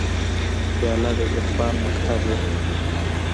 پیاله د عرفان مکتب ده.